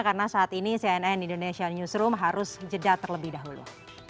karena saat ini cnn indonesia newsroom harus jeda terlebih dahulu